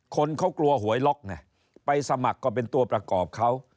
คนเขากลัวหวยล็อกไงไปสมัครก็เป็นตัวประกอบเขา